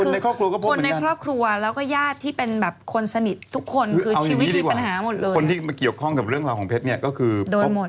ไม่ว่าคนที่เกี่ยวข้องกับเรื่องราวของเพชรเนี่ยก็คือพบโดนหมด